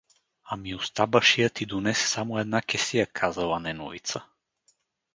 Ами Устабашия ти донесе само една кесия казала Неновица.